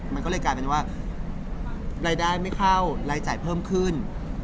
มันก็เลยกลายเป็นว่ารายได้ไม่เข้ารายจ่ายเพิ่มขึ้น